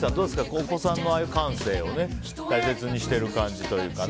お子さんのああいう感性を大切にしている感じというか。